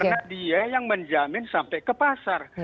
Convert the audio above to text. karena dia yang menjamin sampai ke pasar